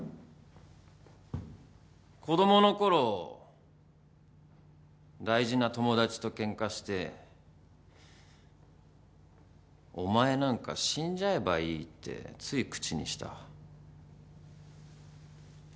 子供のころ大事な友達とケンカして「お前なんか死んじゃえばいい」ってつい口にした。